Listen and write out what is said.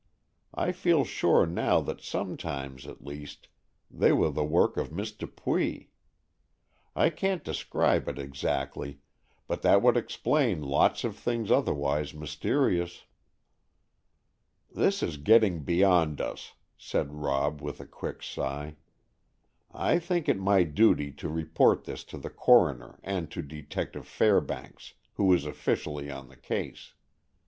I feel sure now that sometimes, at least, they were the work of Miss Dupuy. I can't describe it exactly, but that would explain lots of things otherwise mysterious." "This is getting beyond us," said Rob, with a quick sigh. "I think it my duty to report this to the coroner and to Detective Fairbanks, who is officially on the case.